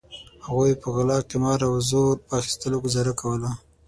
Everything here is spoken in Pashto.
هغوی په غلا قمار او زور په اخیستلو ګوزاره کوله.